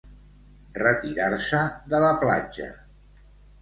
Retirar-se de la platja.